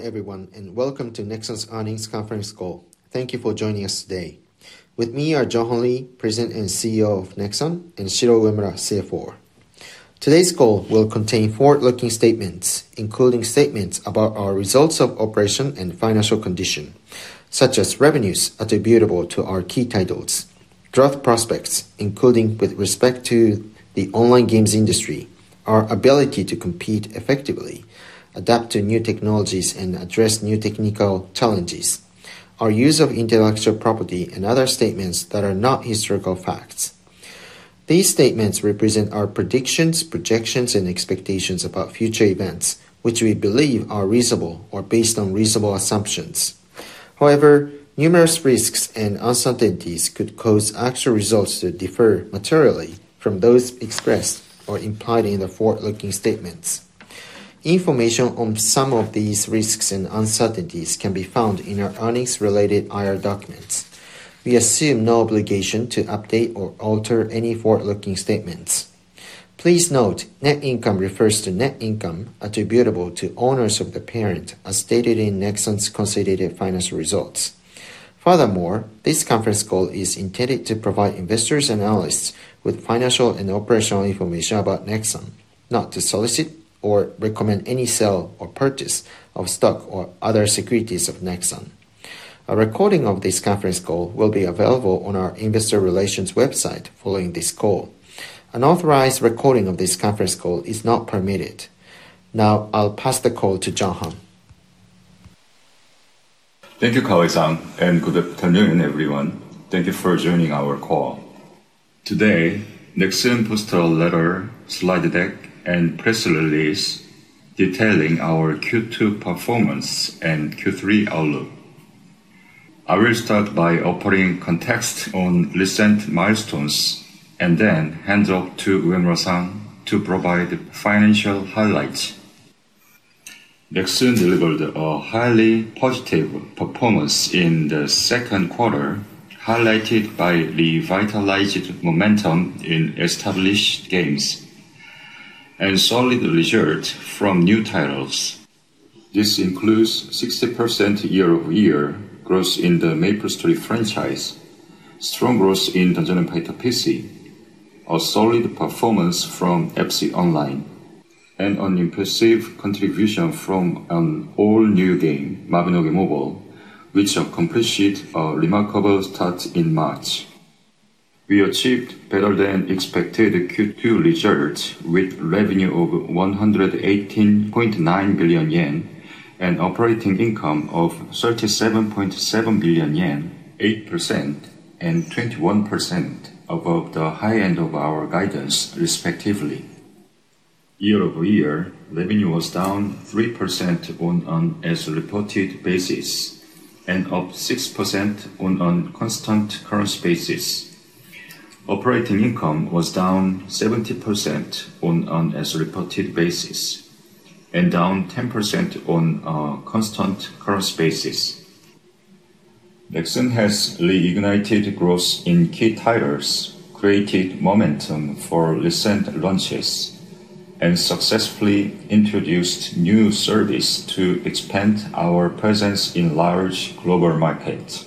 Hello everyone, and welcome to Nexon's Earnings Conference Call. Thank you for joining us today. With me are Junghun Lee, President and CEO of Nexon, and Shiro Uemura, CFO. Today's call will contain forward-looking statements, including statements about our results of operation and financial condition, such as revenues attributable to our key titles, growth prospects, including with respect to the online games industry, our ability to compete effectively, adapt to new technologies, and address new technical challenges, our use of intellectual property, and other statements that are not historical facts. These statements represent our predictions, projections, and expectations about future events, which we believe are reasonable or based on reasonable assumptions. However, numerous risks and uncertainties could cause actual results to differ materially from those expressed or implied in the forward-looking statements. Information on some of these risks and uncertainties can be found in our earnings-related IR documents. We assume no obligation to update or alter any forward-looking statements. Please note, net income refers to net income attributable to owners of the parent, as stated in Nexon's consolidated financial results. Furthermore, this conference call is intended to provide investors and analysts with financial and operational information about Nexon, not to solicit or recommend any sale or purchase of stock or other securities of Nexon. A recording of this conference call will be available on our investor relations website following this call. Unauthorized recording of this conference call is not permitted. Now, I'll pass the call to Junghun. Thank you, [colleagues], and good afternoon, everyone. Thank you for joining our call. Today, Nexon posted a letter, slide deck, and press release detailing our Q2 performance and Q3 outlook. I will start by offering context on recent milestones and then hand it off to Uemura-san to provide financial highlights. Nexon delivered a highly positive performance in the second quarter, highlighted by revitalized momentum in established games and solid results from new titles. This includes 60% year-over-year growth in the MapleStory franchise, strong growth in Dungeons & Fighter PC, a solid performance from FC Online, and an impressive contribution from an all-new game, Mabinogi Mobile, which accomplished a remarkable start in March. We achieved better-than-expected Q2 results with revenue of 118.9 billion yen and operating income of 37.7 billion yen, 8% and 21% above the high end of our guidance, respectively. Year-over-year, revenue was down 3% on an as-reported basis and up 6% on a constant currency basis. Operating income was down 70% on an as-reported basis and down 10% on a constant currency basis. Nexon has reignited growth in key titles, created momentum for recent launches, and successfully introduced new services to expand our presence in large global markets.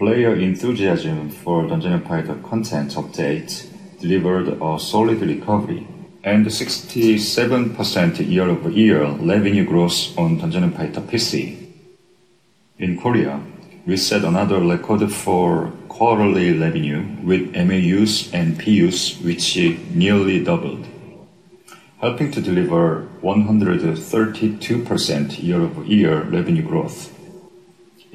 Player enthusiasm for Dungeons & Fighter content updates delivered a solid recovery and 67% year-over-year revenue growth on Dungeons & Fighter PC. In Korea, we set another record for quarterly revenue with MAUs and PUs, which nearly doubled, helping to deliver 132% year-over-year revenue growth.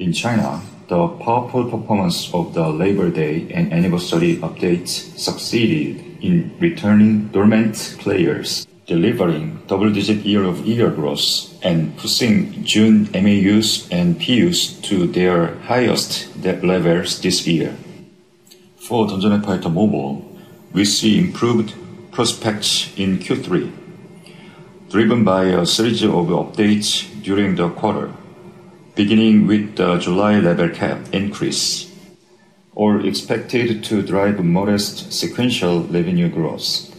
In China, the powerful performance of the Labor Day and Anniversary updates succeeded in returning dormant players, delivering double-digit year-over-year growth and pushing June MAUs and PUs to their highest levels this year. For Dungeons & Fighter Mobile, we see improved prospects in Q3, driven by a series of updates during the quarter, beginning with the July level cap increase, all expected to drive modest sequential revenue growth.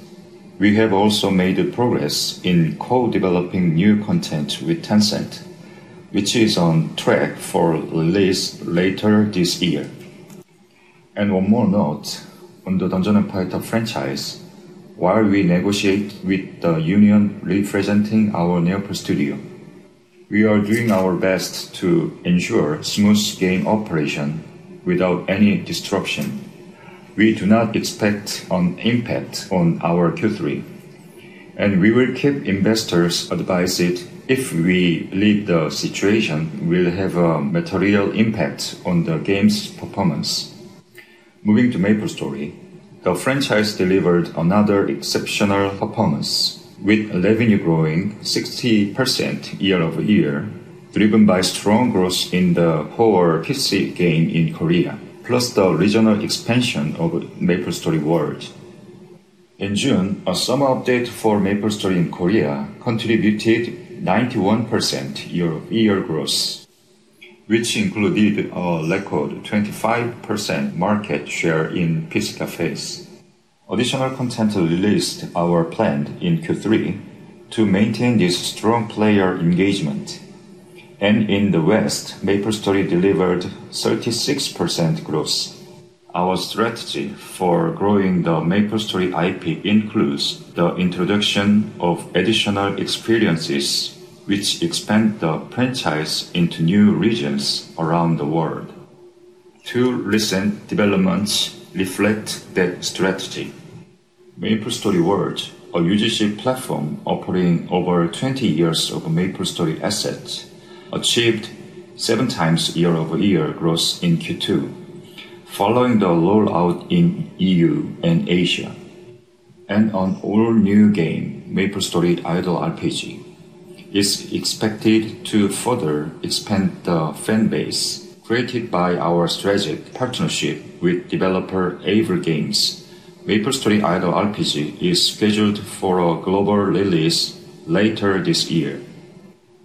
We have also made progress in co-developing new content with Tencent, which is on track for release later this year. One more note, on the Dungeons & Fighter franchise, while we negotiate with the union representing our Neople Studio, we are doing our best to ensure smooth game operation without any disruption. We do not expect an impact on our Q3, and we will keep investors advised if we believe the situation will have a material impact on the game's performance. Moving to MapleStory, the franchise delivered another exceptional performance with revenue growing 60% year-over-year, driven by strong growth in the core PC game in Korea, plus the regional expansion of MapleStory Worlds. In June, a summer update for MapleStory in Korea contributed 91% year-over-year growth, which included a record 25% market share in PC cafés. Additional content released or planned in Q3 to maintain this strong player engagement. In the West, MapleStory delivered 36% growth. Our strategy for growing the MapleStory IP includes the introduction of additional experiences, which expand the franchise into new regions around the world. Two recent developments reflect that strategy. MapleStory Worlds, a UGC platform offering over 20 years of MapleStory assets, achieved seven times year-over-year growth in Q2, following the rollout in EU and Asia. An all-new game, MapleStory Idle RPG, is expected to further expand the fan base created by our strategic partnership with developer Aver Games. MapleStory Idle RPG is scheduled for a global release later this year.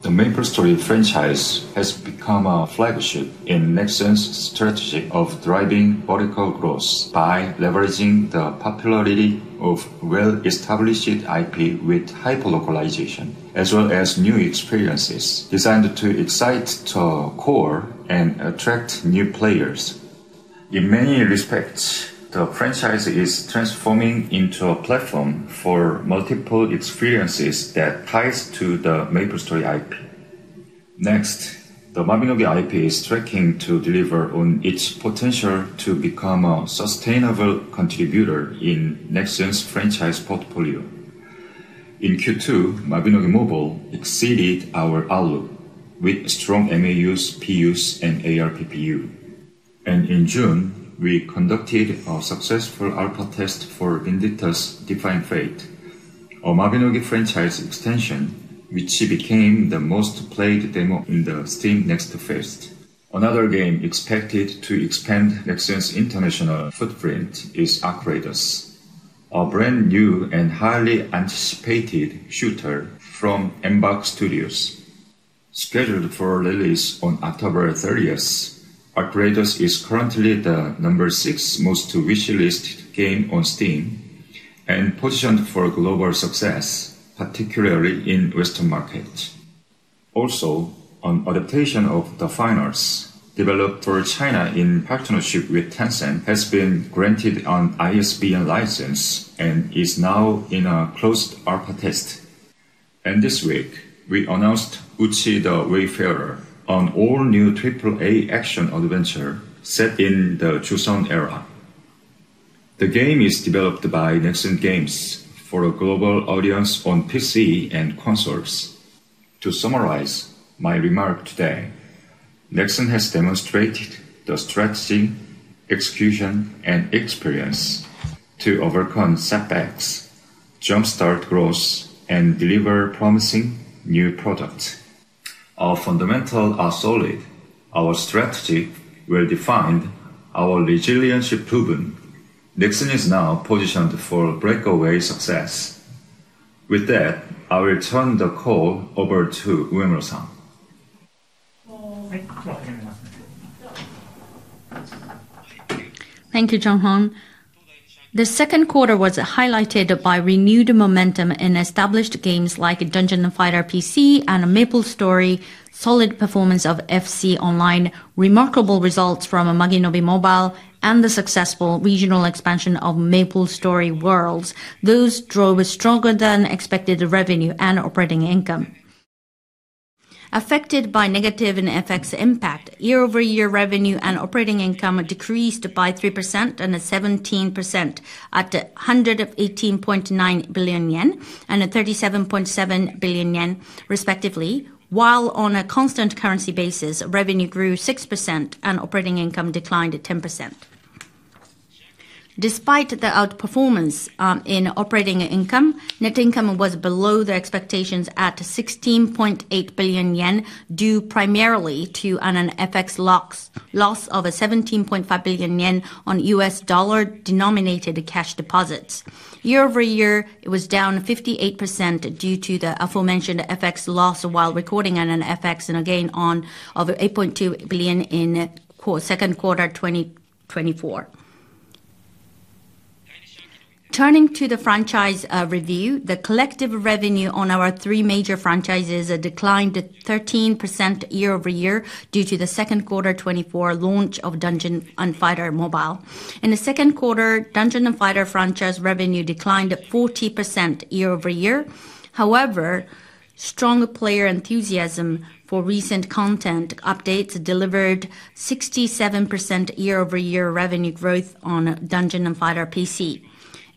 The MapleStory franchise has become a flagship in Nexon's strategy of driving vertical growth by leveraging the popularity of well-established IP with hyperlocalization, as well as new experiences designed to excite the core and attract new players. In many respects, the franchise is transforming into a platform for multiple experiences that ties to the MapleStory IP. Next, the Mabinogi IP is striking to deliver on its potential to become a sustainable contributor in Nexon's franchise portfolio. In Q2, Mabinogi Mobile exceeded our outlook with strong MAUs, PUs, and ARPPU. In June, we conducted a successful alpha test for Vindictus: Defying Fate, a Mabinogi franchise extension which became the most played demo in the Steam Next Fest. Another game expected to expand Nexon's international footprint is ARC Raiders, a brand new and highly anticipated shooter from Embark Studios. Scheduled for release on October 30th, ARC Raiders is currently the number six most-wishlisted game on Steam and positioned for global success, particularly in the Western market. Also, an adaptation of The Finals, developed for China in partnership with Tencent, has been granted an ISBN license and is now in a closed alpha test. This week, we announced Uchida Wayfarer, an all-new AAA action adventure set in the Joseon era. The game is developed by Nexon Games for a global audience on PC and consoles. To summarize my remarks today, Nexon has demonstrated the strategy, execution, and experience to overcome setbacks, jump-start growth, and deliver promising new products. Our fundamentals are solid. Our strategy well-defined. Our resilience is proven. Nexon is now positioned for breakaway success. With that, I will turn the call over to Uemura-san. Thank you, Junghun. The second quarter was highlighted by renewed momentum in established games like Dungeons & Fighter PC and MapleStory, solid performance of FC Online, remarkable results from Mabinogi Mobile, and the successful regional expansion of MapleStory Worlds. Those drove stronger-than-expected revenue and operating income. Affected by negative FX impact, year-over-year revenue and operating income decreased by 3% and 17% at 118.9 billion yen and 37.7 billion yen, respectively, while on a constant currency basis, revenue grew 6% and operating income declined 10%. Despite the outperformance in operating income, net income was below expectations at 16.8 billion yen, due primarily to an FX loss of 17.5 billion yen on U.S. dollar-denominated cash deposits. Year-over-year, it was down 58% due to the aforementioned FX loss while recording an FX gain of 8.2 billion in the second quarter of 2024. Turning to the franchise review, the collective revenue on our three major franchises declined 13% year-over-year due to the second quarter 2024 launch of Dungeons & Fighter Mobile. In the second quarter, Dungeons & Fighter franchise revenue declined 40% year-over-year. However, strong player enthusiasm for recent content updates delivered 67% year-over-year revenue growth on Dungeons & Fighter PC.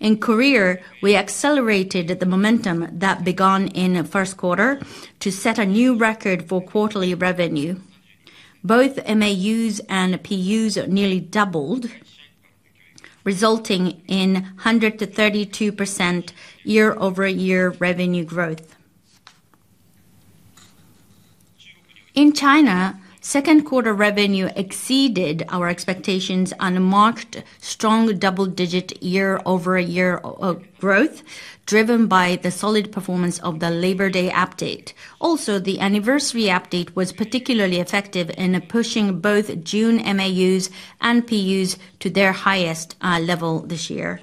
In Korea, we accelerated the momentum that began in the first quarter to set a new record for quarterly revenue. Both MAUs and PUs nearly doubled, resulting in 132% year-over-year revenue growth. In China, second quarter revenue exceeded our expectations and marked strong double-digit year-over-year growth, driven by the solid performance of the Labor Day update. Also, the anniversary update was particularly effective in pushing both June MAUs and PUs to their highest level this year.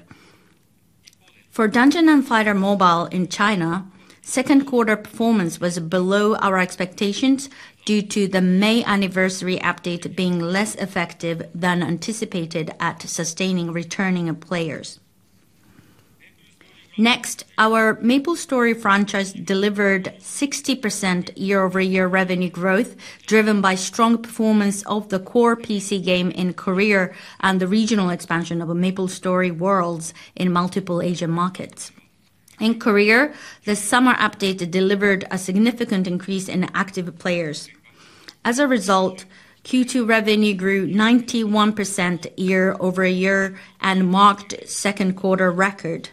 For Dungeons & Fighter Mobile in China, second quarter performance was below our expectations due to the May anniversary update being less effective than anticipated at sustaining returning players. Next, our MapleStory franchise delivered 60% year-over-year revenue growth, driven by strong performance of the core PC game in Korea and the regional expansion of MapleStory Worlds in multiple Asian markets. In Korea, the summer update delivered a significant increase in active players. As a result, Q2 revenue grew 91% year-over-year and marked second quarter record.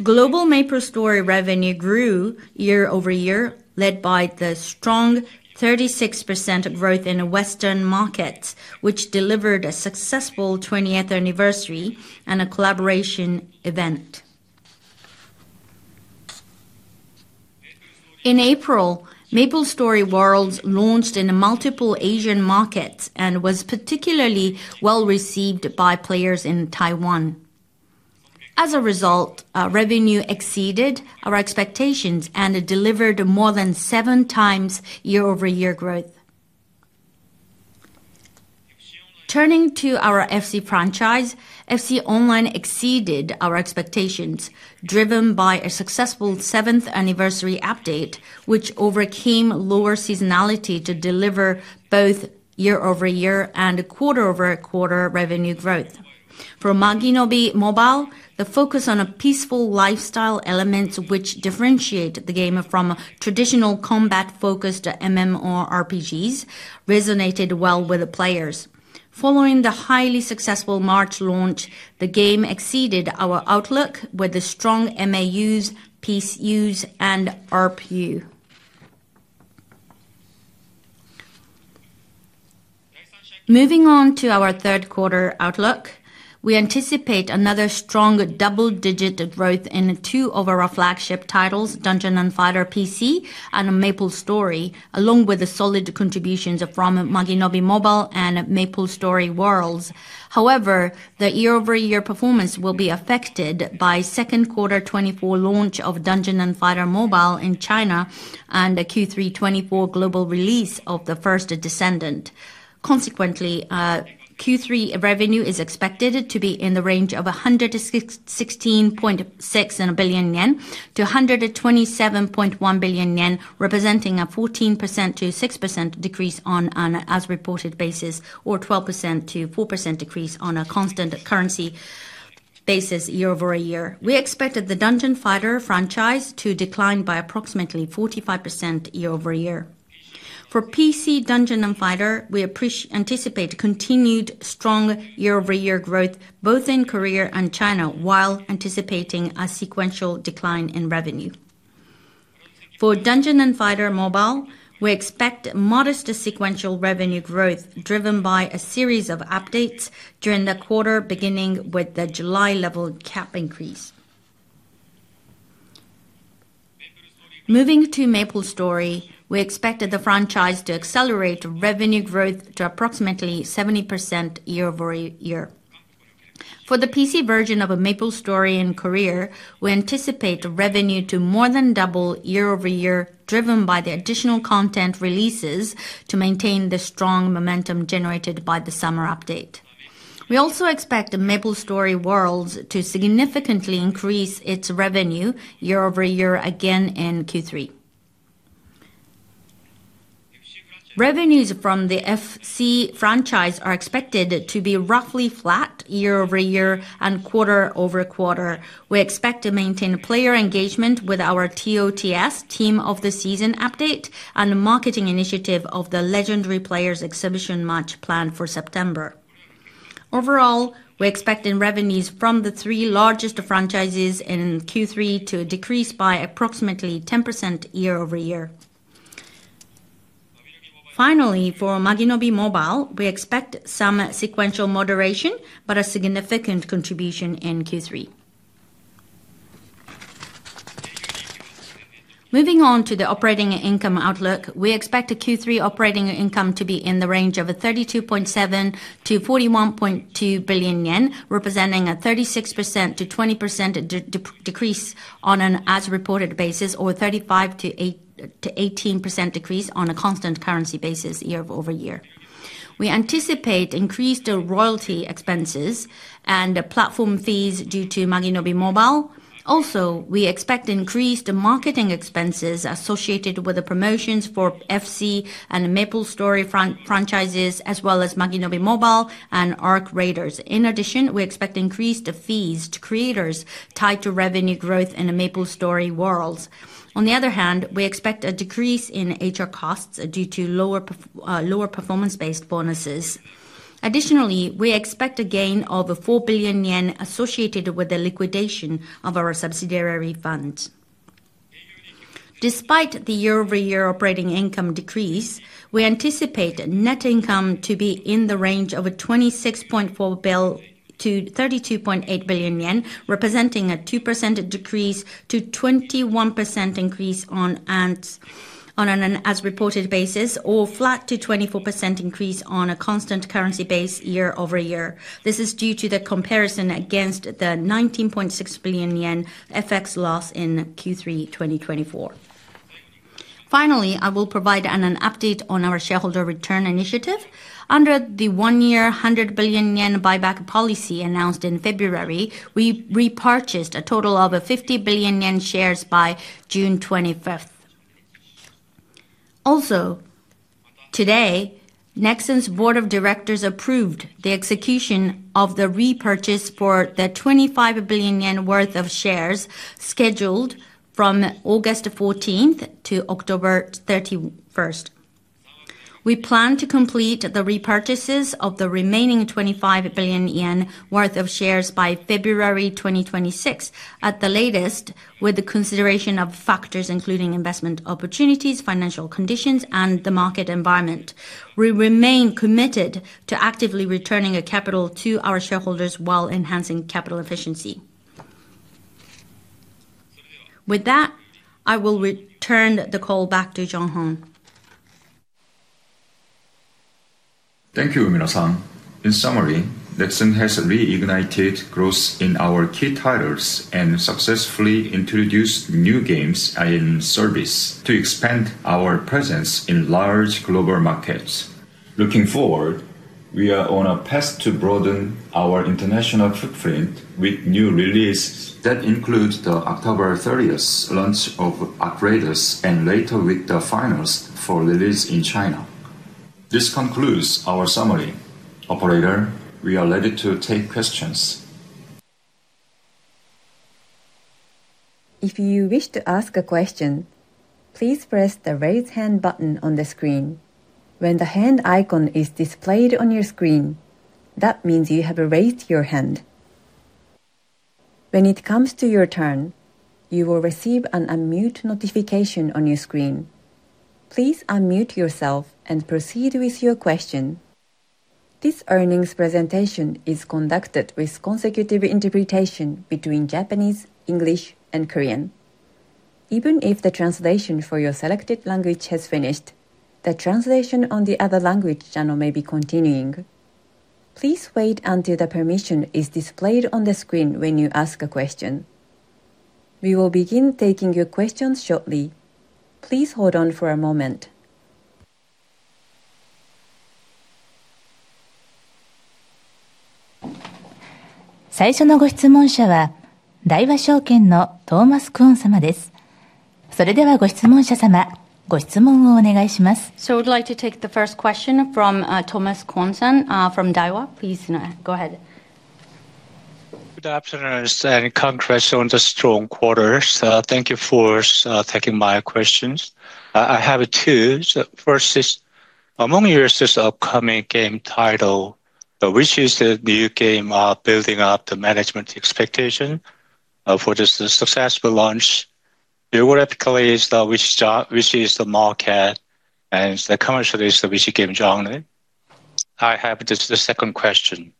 Global MapleStory revenue grew year-over-year, led by the strong 36% growth in Western markets, which delivered a successful 20th anniversary and a collaboration event. In April, MapleStory Worlds launched in multiple Asian markets and was particularly well received by players in Taiwan. As a result, revenue exceeded our expectations and delivered more than seven times year-over-year growth. Turning to our FC franchise, FC Online exceeded our expectations, driven by a successful seventh anniversary update, which overcame lower seasonality to deliver both year-over-year and quarter-over-quarter revenue growth. For Mabinogi Mobile, the focus on peaceful lifestyle elements, which differentiate the game from traditional combat-focused MMORPGs, resonated well with players. Following the highly successful March launch, the game exceeded our outlook with strong MAUs, PUs, and RPU. Moving on to our third quarter outlook, we anticipate another strong double-digit growth in two of our flagship titles, Dungeons & Fighter PC and MapleStory, along with solid contributions from Mabinogi Mobile and MapleStory Worlds. However, the year-over-year performance will be affected by second quarter 2024 launch of Dungeons & Fighter Mobile in China and Q3 2024 global release of The First Descendant. Consequently, Q3 revenue is expected to be in the range of 116.6 billion-127.1 billion yen, representing a 14%-6% decrease on an as-reported basis, or 12%-4% decrease on a constant currency basis year-over-year. We expect the Dungeons & Fighter franchise to decline by approximately 45% year-over-year. For Dungeons & Fighter PC, we anticipate continued strong year-over-year growth both in Korea and China, while anticipating a sequential decline in revenue. For Dungeons & Fighter Mobile, we expect modest sequential revenue growth, driven by a series of updates during the quarter, beginning with the July level cap increase. Moving to MapleStory, we expect the franchise to accelerate revenue growth to approximately 70% year-over-year. For the PC version of MapleStory in Korea, we anticipate revenue to more than double year-over-year, driven by the additional content releases to maintain the strong momentum generated by the summer update. We also expect MapleStory Worlds to significantly increase its revenue year-over-year again in Q3. Revenues from the FC franchise are expected to be roughly flat year-over-year and quarter-over-quarter. We expect to maintain player engagement with our TOTS Team of the Season update and marketing initiative of the Legendary Players exhibition match planned for September. Overall, we expect revenues from the three largest franchises in Q3 to decrease by approximately 10% year-over-year. Finally, for Mabinogi Mobile, we expect some sequential moderation, but a significant contribution in Q3. Moving on to the operating income outlook, we expect Q3 operating income to be in the range of 32.7 billion-41.2 billion yen, representing a 36%-20% decrease on an as-reported basis, or 35%-18% decrease on a constant currency basis year-over-year. We anticipate increased royalty expenses and platform fees due to Mabinogi Mobile. Also, we expect increased marketing expenses associated with the promotions for FC and MapleStory franchises, as well as Mabinogi Mobile and ARC Raiders. In addition, we expect increased fees to creators tied to revenue growth in MapleStory Worlds. On the other hand, we expect a decrease in HR costs due to lower performance-based bonuses. Additionally, we expect a gain of 4 billion yen associated with the liquidation of our subsidiary fund. Despite the year-over-year operating income decrease, we anticipate net income to be in the range of 26.4 billion-32.8 billion yen, representing a 2% decrease-21% increase on an as-reported basis, or flat to 24% increase on a constant currency base year-over-year. This is due to the comparison against the 19.6 billion yen FX loss in Q3 2024. Finally, I will provide an update on our shareholder return initiative. Under the one-year 100 billion yen buyback policy announced in February, we repurchased a total of 50 billion yen shares by June 25th. Also, today, Nexon's board of directors approved the execution of the repurchase for the 25 billion yen worth of shares scheduled from August 14th to October 31st. We plan to complete the repurchases of the remaining 25 billion yen worth of shares by February 2026 at the latest, with consideration of factors including investment opportunities, financial conditions, and the market environment. We remain committed to actively returning capital to our shareholders while enhancing capital efficiency. With that, I will return the call back to Junghun. Thank you, Uemura-san. In summary, Nexon has reignited growth in our key titles and successfully introduced new games and services to expand our presence in large global markets. Looking forward, we are on a path to broaden our international footprint with new releases that include the October 30th launch of ARC Raiders and later with The Finals for release in China. This concludes our summary. Operator, we are ready to take questions. If you wish to ask a question, please press the raise hand button on the screen. When the hand icon is displayed on your screen, that means you have raised your hand. When it comes to your turn, you will receive an unmute notification on your screen. Please unmute yourself and proceed with your question. This earnings presentation is conducted with consecutive interpretation between Japanese, English, and Korean. Even if the translation for your selected language has finished, the translation on the other language channel may be continuing. Please wait until the permission is displayed on the screen when you ask a question. We will begin taking your questions shortly. Please hold on for a moment. 最初のご質問者は大和証券のトーマス・クオン様です。それではご質問者様、ご質問をお願いします。' I would like to take the first question from Thomas Kwon from Daiwa. Please go ahead. Good afternoon and congrats on the strong quarter. Thank you for taking my questions. I have two. First is, among your upcoming game title, which is the new game building up the management expectation for this successful launch, geographically which is the market and the commercial is the Wii GAME JOURNAL? I have the second question.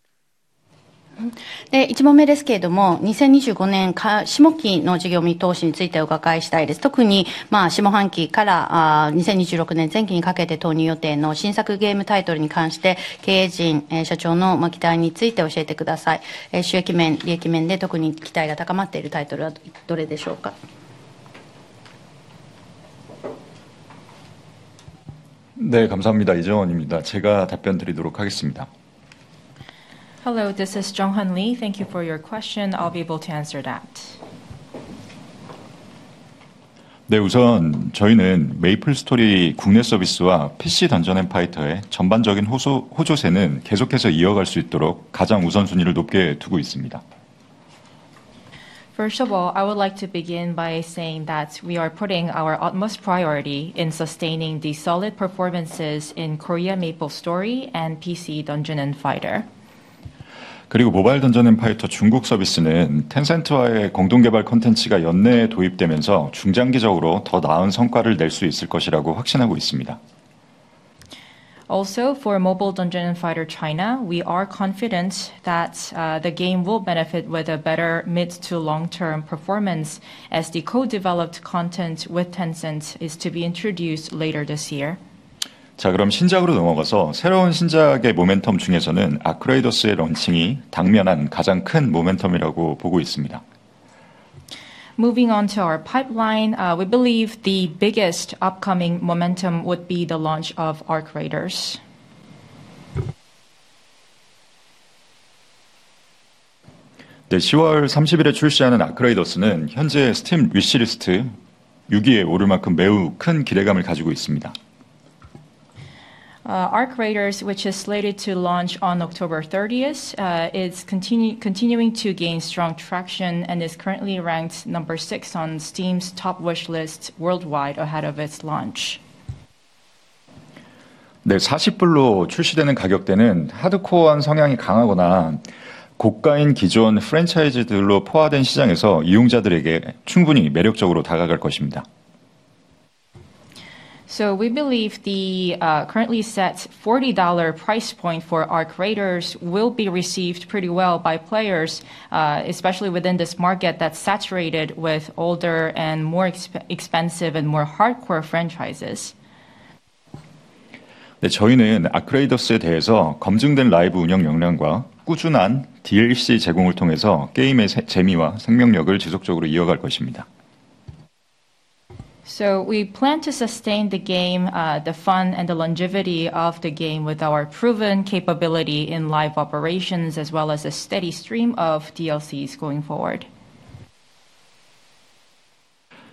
一問目ですけれども、2025年下期の事業見通しについてお伺いしたいです。特に下半期から2026年前期にかけて投入予定の新作ゲームタイトルに関して、経営陣、社長の期待について教えてください。収益面、利益面で特に期待が高まっているタイトルはどれでしょうか。 네, 감사합니다. 이정헌입니다. 제가 답변드리도록 하겠습니다. Hello, this is Junghun Lee. Thank you for your question. I'll be able to answer that. 네, 우선 저희는 메이플스토리 국내 서비스와 PC 던전 앤 파이터의 전반적인 호조세는 계속해서 이어갈 수 있도록 가장 우선순위를 높게 두고 있습니다. First of all, I would like to begin by saying that we are putting our utmost priority in sustaining the solid performances in Korea MapleStory and PC Dungeon & Fighter. 그리고 모바일 던전 앤 파이터 중국 서비스는 텐센트와의 공동 개발 콘텐츠가 연내에 도입되면서 중장기적으로 더 나은 성과를 낼수 있을 것이라고 확신하고 있습니다. Also, for mobile Dungeon & Fighter China, we are confident that the game will benefit with a better mid to long-term performance as the co-developed content with Tencent is to be introduced later this year. 자, 그럼 신작으로 넘어가서 새로운 신작의 모멘텀 중에서는 ARC Raiders의 런칭이 당면한 가장 큰 모멘텀이라고 보고 있습니다. Moving on to our pipeline, we believe the biggest upcoming momentum would be the launch of ARC Raiders. 네, 10월 30일에 출시하는 ARC Raiders는 현재 스팀 위시리스트 6위에 오를 만큼 매우 큰 기대감을 가지고 있습니다. ARC Raiders, which is slated to launch on October 30th, is continuing to gain strong traction and is currently ranked number six on Steam's top wish list worldwide ahead of its launch. 네, $40로 출시되는 가격대는 하드코어한 성향이 강하거나 고가인 기존 프랜차이즈들로 포화된 시장에서 이용자들에게 충분히 매력적으로 다가갈 것입니다. We believe the currently set $40 price point for ARC Raiders will be received pretty well by players, especially within this market that's saturated with older and more expensive and more hardcore franchises. 네, 저희는 ARC Raiders에 대해서 검증된 라이브 운영 역량과 꾸준한 DLC 제공을 통해서 게임의 재미와 생명력을 지속적으로 이어갈 것입니다. We plan to sustain the game, the fun, and the longevity of the game with our proven capability in live operations, as well as a steady stream of DLCs going forward.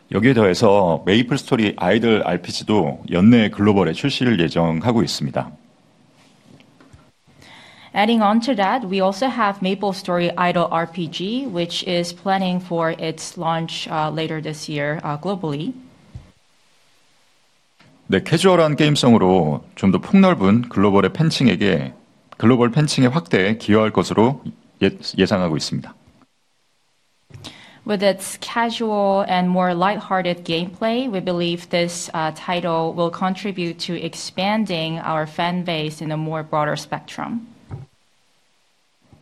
여기에 더해서 MapleStory Idle RPG도 연내에 글로벌에 출시를 예정하고 있습니다. Adding on to that, we also have MapleStory Idle RPG, which is planning for its launch later this year globally. 네, 캐주얼한 게임성으로 좀더 폭넓은 글로벌의 팬층에게 글로벌 팬층의 확대에 기여할 것으로 예상하고 있습니다. With its casual and more lighthearted gameplay, we believe this title will contribute to expanding our fan base in a more broader spectrum.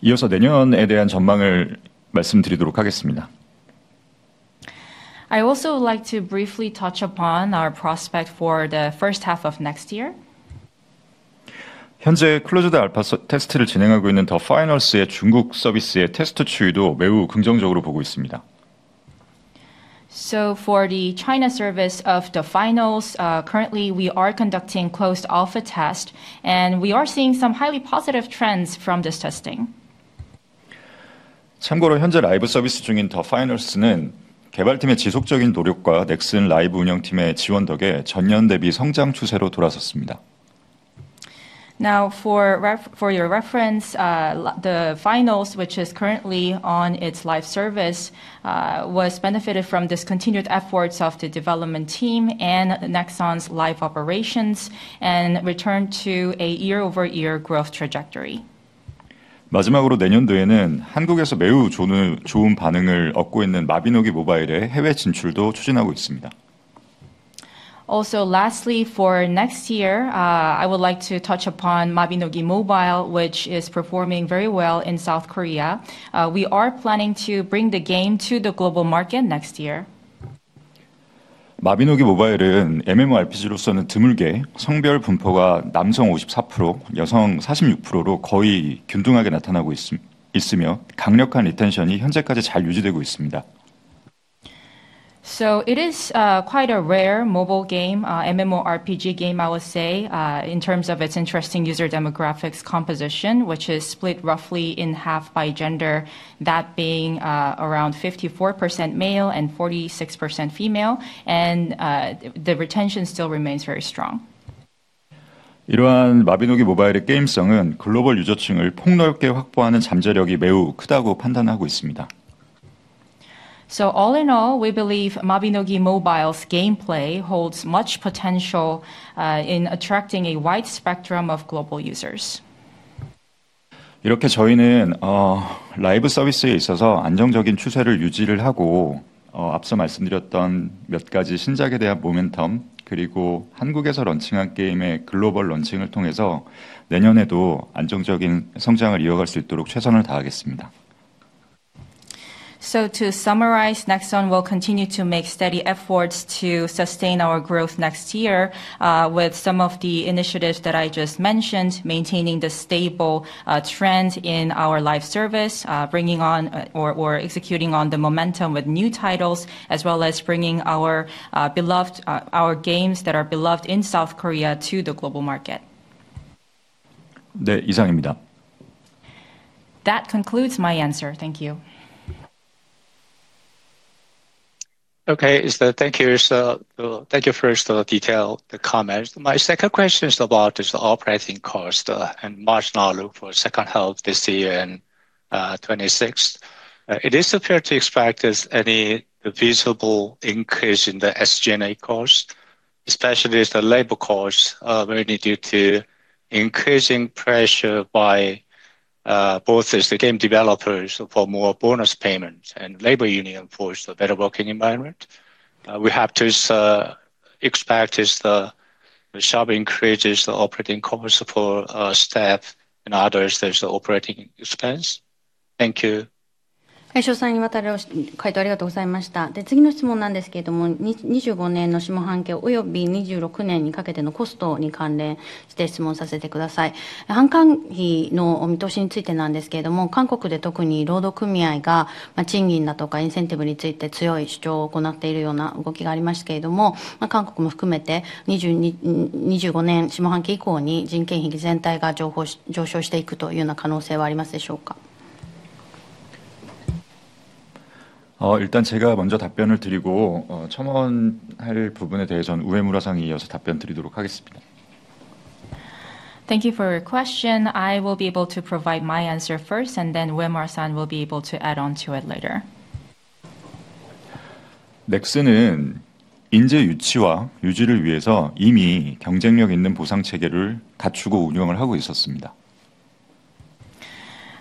이어서 내년에 대한 전망을 말씀드리도록 하겠습니다. I also would like to briefly touch upon our prospect for the first half of next year. 현재 클로즈드 알파 테스트를 진행하고 있는 더 파이널스의 중국 서비스의 테스트 추이도 매우 긍정적으로 보고 있습니다. For the China service of The Finals, currently we are conducting closed alpha tests, and we are seeing some highly positive trends from this testing. 참고로 현재 라이브 서비스 중인 더 파이널스는 개발팀의 지속적인 노력과 넥슨 라이브 운영팀의 지원 덕에 전년 대비 성장 추세로 돌아섰습니다. Now, for your reference, The Finals, which is currently on its live service, was benefited from continued efforts of the development team and Nexon's live operations and returned to a year-over-year growth trajectory. Lastly, for next year, I would like to touch upon Mabinogi Mobile, which is performing very well in South Korea. We are planning to bring the game to the global market next year. Mabinogi Mobile is, as an MMORPG. It is quite rare in terms of its interesting user demographics composition, which is split roughly in half by gender, that being around 54% male and 46% female, and the retention still remains very strong. We believe Mabinogi Mobile's gameplay holds much potential in attracting a wide spectrum of global users. 이렇게 저희는 라이브 서비스에 있어서 안정적인 추세를 유지를 하고, 앞서 말씀드렸던 몇 가지 신작에 대한 모멘텀, 그리고 한국에서 런칭한 게임의 글로벌 런칭을 통해서 내년에도 안정적인 성장을 이어갈 수 있도록 최선을 다하겠습니다. So to summarize, Nexon will continue to make steady efforts to sustain our growth next year with some of the initiatives that I just mentioned, maintaining the stable trend in our live service, bringing on or executing on the momentum with new titles, as well as bringing our games that are beloved in South Korea to the global market. 네, 이상입니다. That concludes my answer. Thank you. Okay, thank you. Thank you for the detailed comment. My second question is about the operating cost and marginal loop for second half this year and 2026. Is it fair to expect any visible increase in the SG&A cost, especially the labor cost, mainly due to increasing pressure by both the game developers for more bonus payments and labor union for the better working environment? We have to expect the sharp increase in the operating cost for staff and others as the operating expense. Thank you. 일단 제가 먼저 답변을 드리고, 첨언할 부분에 대해서는 우에무라상에 이어서 답변드리도록 하겠습니다. Thank you for your question. I will be able to provide my answer first, and then Uemura-san will be able to add on to it later. 넥슨은 인재 유치와 유지를 위해서 이미 경쟁력 있는 보상 체계를 갖추고 운영을 하고 있었습니다.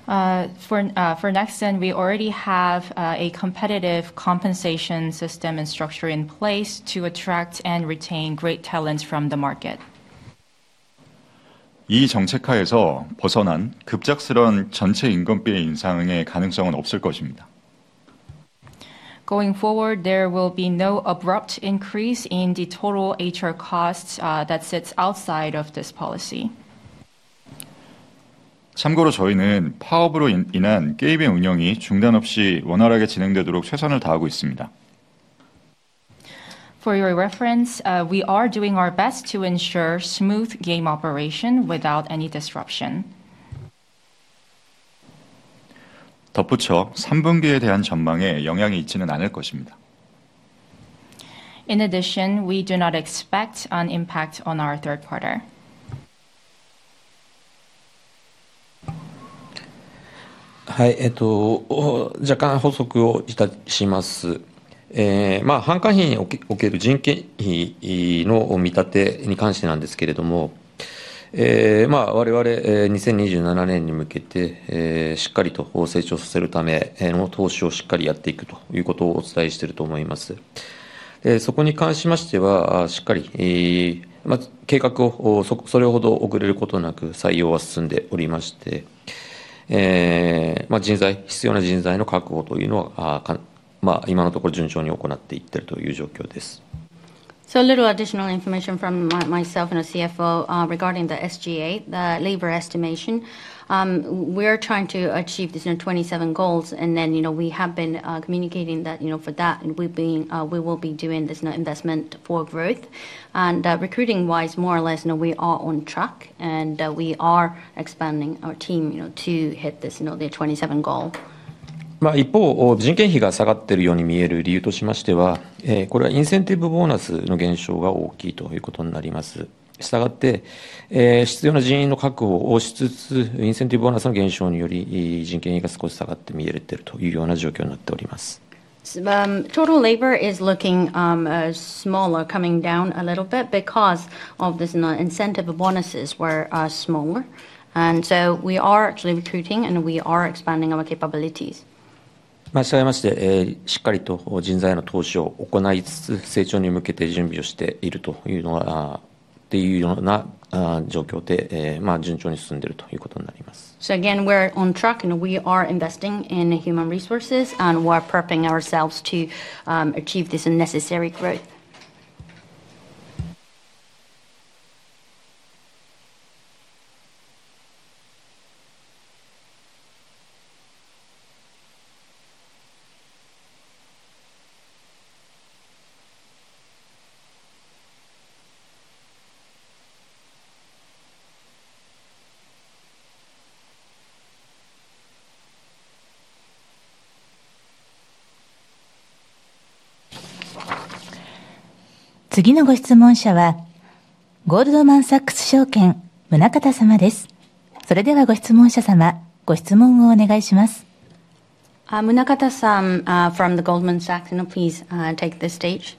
For Nexon, we already have a competitive compensation system and structure in place to attract and retain great talents from the market. 이 정책하에서 벗어난 급작스러운 전체 임금비의 인상의 가능성은 없을 것입니다. Going forward, there will be no abrupt increase in the total HR cost that sits outside of this policy. 참고로 저희는 파업으로 인한 게임의 운영이 중단 없이 원활하게 진행되도록 최선을 다하고 있습니다. For your reference, we are doing our best to ensure smooth game operation without any disruption. 덧붙여, 3분기에 대한 전망에 영향이 있지는 않을 것입니다. In addition, we do not expect an impact on our third quarter. はい、若干補足をいたします。半官費における人件費の見立てに関してなんですけれども、我々2027年に向けてしっかりと成長させるための投資をしっかりやっていくということをお伝えしていると思います。そこに関しましてはしっかり計画をそれほど遅れることなく採用は進んでおりまして、人材、必要な人材の確保というのは今のところ順調に行っていっているという状況です. So a little additional information from myself and the CFO regarding the SGA, the labor estimation, we are trying to achieve this 2027 goals, and then we have been communicating that for that we will be doing this investment for growth. Recruiting-wise, more or less, we are on track, and we are expanding our team to hit this 2027 goal. 一方、人件費が下がっているように見える理由としましては、これはインセンティブボーナスの減少が大きいということになります。したがって、必要な人員の確保をしつつ、インセンティブボーナスの減少により人件費が少し下がって見えているというような状況になっております. The total labor is looking smaller, coming down a little bit because of this incentive; the bonuses were smaller. We are actually recruiting, and we are expanding our capabilities. まして、しっかりと人材の投資を行いつつ成長に向けて準備をしているというような状況で順調に進んでいるということになります。We are on track. We are investing in human resources, and we are prepping ourselves to achieve this necessary growth. 次のご質問者はゴールドマンサックス証券、宗像様です。それではご質問者様、ご質問をお願いします。Munakata-san from Goldman Sachs, please take the stage.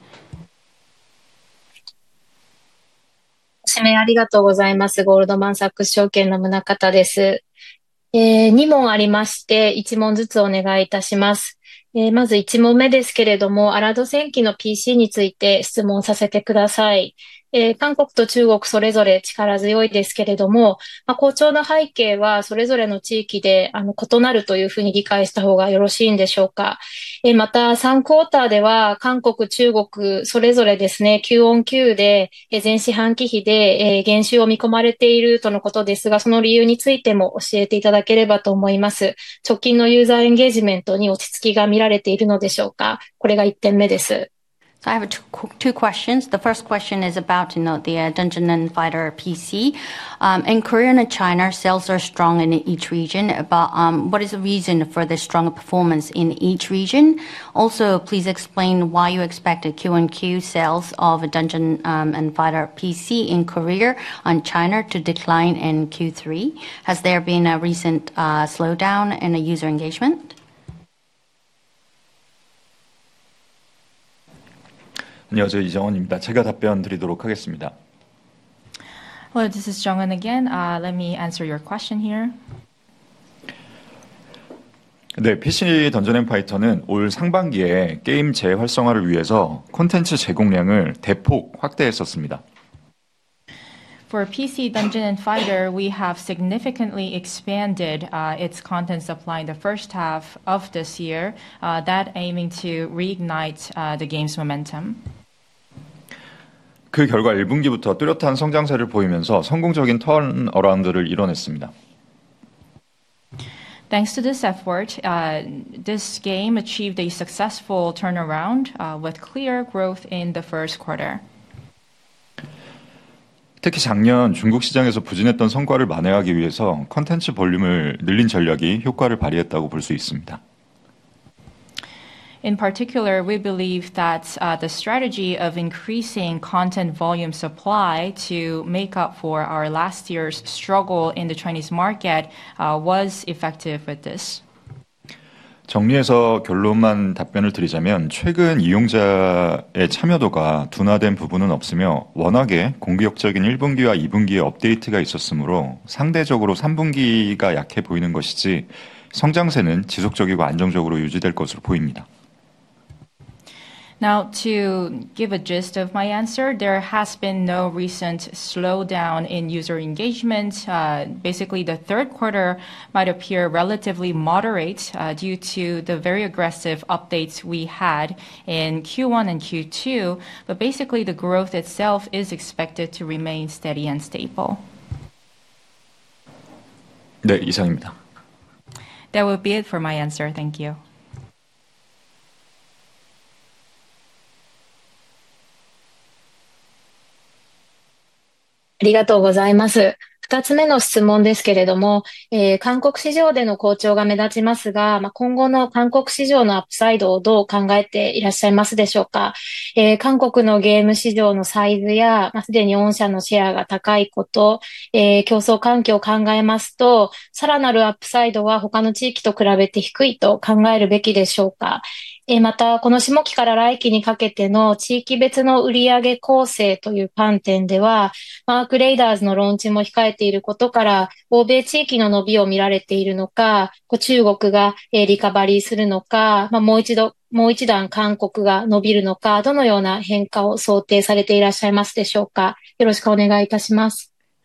I have two questions. The first question is about the Dungeon & Fighter PC. In Korea and China, sales are strong in each region, but what is the reason for the strong performance in each region? Also, please explain why you expect QoQ sales of Dungeon & Fighter PC in Korea and China to decline in Q3. Has there been a recent slowdown in user engagement? 안녕하세요, 이정헌입니다. 제가 답변드리도록 하겠습니다. Hello, this is Junghun Lee again. Let me answer your question here. 네, PC 던전 앤 파이터는 올 상반기에 게임 재활성화를 위해서 콘텐츠 제공량을 대폭 확대했었습니다. For PC Dungeon & Fighter, we have significantly expanded its content supply in the first half of this year, that aiming to reignite the game's momentum. 그 결과 1분기부터 뚜렷한 성장세를 보이면서 성공적인 턴어라운드를 이뤄냈습니다. Thanks to this effort, this game achieved a successful turnaround with clear growth in the first quarter. 특히 작년 중국 시장에서 부진했던 성과를 만회하기 위해서 콘텐츠 볼륨을 늘린 전략이 효과를 발휘했다고 볼수 있습니다. In particular, we believe that the strategy of increasing content volume supply to make up for our last year's struggle in the Chinese market was effective with this. 정리해서 결론만 답변을 드리자면, 최근 이용자의 참여도가 둔화된 부분은 없으며, 워낙에 공격적인 1분기와 2분기의 업데이트가 있었으므로 상대적으로 3분기가 약해 보이는 것이지, 성장세는 지속적이고 안정적으로 유지될 것으로 보입니다. Now, to give a gist of my answer, there has been no recent slowdown in user engagement. Basically, the third quarter might appear relatively moderate due to the very aggressive updates we had in Q1 and Q2, but basically the growth itself is expected to remain steady and stable. 네, 이상입니다. That will be it for my answer. Thank you. ありがとうございます。2つ目の質問ですけれども、韓国市場での好調が目立ちますが、今後の韓国市場のアップサイドをどう考えていらっしゃいますでしょうか。韓国のゲーム市場のサイズや、すでに御社のシェアが高いこと、競争環境を考えますと、さらなるアップサイドは他の地域と比べて低いと考えるべきでしょうか。また、この下期から来期にかけての地域別の売上構成という観点では、ARC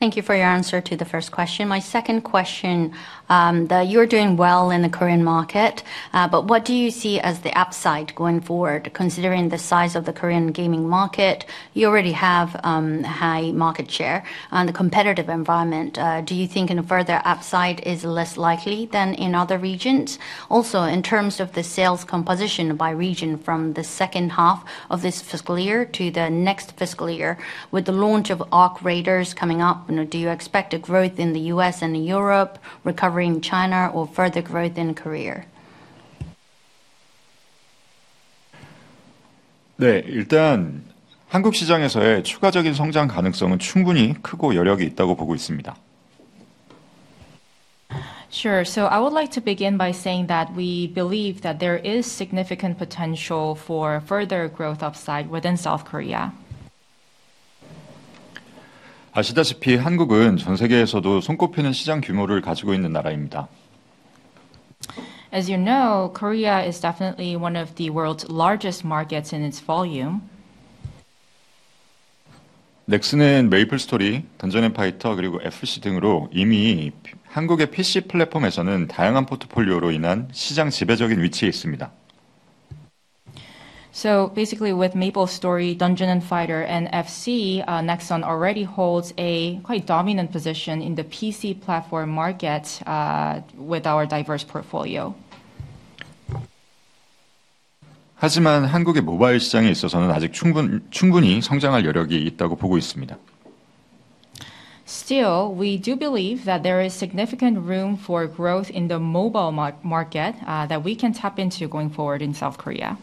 Thank you for your answer to the first question. My second question, you are doing well in the Korean market, but what do you see as the upside going forward, considering the size of the Korean gaming market? You already have high market share and the competitive environment. Do you think a further upside is less likely than in other regions? Also, in terms of the sales composition by region from the second half of this fiscal year to the next fiscal year, with the launch of ARC Raiders coming up, do you expect a growth in the U.S. and Europe, recovery in China, or further growth in Korea? 네, 일단 한국 시장에서의 추가적인 성장 가능성은 충분히 크고 여력이 있다고 보고 있습니다. Sure, so I would like to begin by saying that we believe that there is significant potential for further growth upside within South Korea. 아시다시피 한국은 전 세계에서도 손꼽히는 시장 규모를 가지고 있는 나라입니다. As you know, Korea is definitely one of the world's largest markets in its volume. 넥슨은 메이플스토리, 던전 앤 파이터, 그리고 FC 등으로 이미 한국의 PC 플랫폼에서는 다양한 포트폴리오로 인한 시장 지배적인 위치에 있습니다. So basically with MapleStory, Dungeon & Fighter, and FC, Nexon already holds a quite dominant position in the PC platform market with our diverse portfolio. 하지만 한국의 모바일 시장에 있어서는 아직 충분히 성장할 여력이 있다고 보고 있습니다. Still, we do believe that there is significant room for growth in the mobile market that we can tap into going forward in South Korea.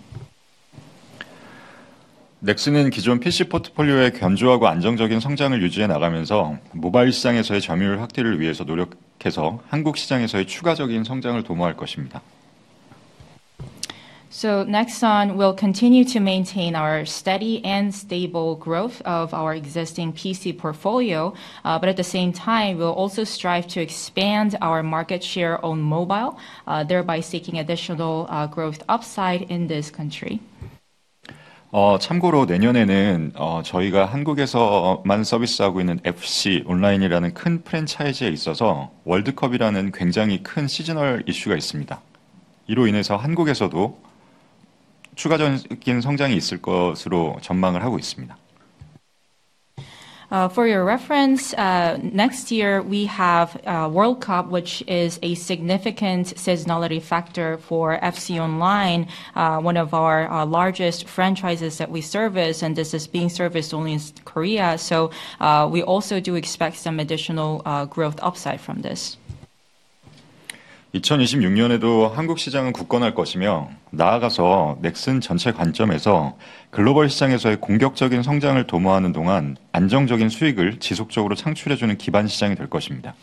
넥슨은 기존 PC 포트폴리오의 견조하고 안정적인 성장을 유지해 나가면서 모바일 시장에서의 점유율 확대를 위해서 노력해서 한국 시장에서의 추가적인 성장을 도모할 것입니다. So Nexon will continue to maintain our steady and stable growth of our existing PC portfolio, but at the same time, we'll also strive to expand our market share on mobile, thereby seeking additional growth upside in this country. 참고로 내년에는 저희가 한국에서만 서비스하고 있는 FC 온라인이라는 큰 프랜차이즈에 있어서 월드컵이라는 굉장히 큰 시즌 이슈가 있습니다. 이로 인해서 한국에서도 추가적인 성장이 있을 것으로 전망을 하고 있습니다. For your reference, next year we have World Cup, which is a significant seasonality factor for FC Online, one of our largest franchises that we service, and this is being serviced only in Korea. We also do expect some additional growth upside from this. 2026년에도 한국 시장은 굳건할 것이며, 나아가서 넥슨 전체 관점에서 글로벌 시장에서의 공격적인 성장을 도모하는 동안 안정적인 수익을 지속적으로 창출해 주는 기반 시장이 될 것입니다.